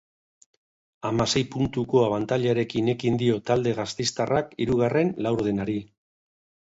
Hamasei puntuko abantailarekin ekin dio talde gasteiztarrak hirugarren laurdenari.